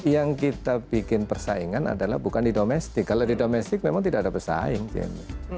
yang kita bikin persaingan adalah bukan di domestik kalau di domestik memang tidak ada pesaing tim